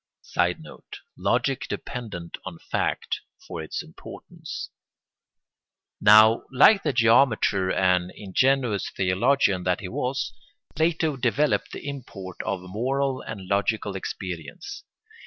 [Sidenote: Logic dependent on fact for its importance,] Now, like the geometer and ingenuous theologian that he was, Plato developed the import of moral and logical experience.